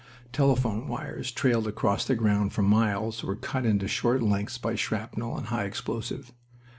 Telephone wires trailed across the ground for miles, were cut into short lengths by shrapnel and high explosive.